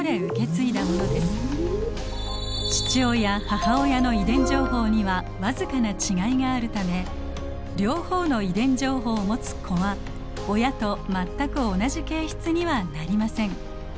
父親母親の遺伝情報には僅かな違いがあるため両方の遺伝情報を持つ子は親と全く同じ形質にはなりません。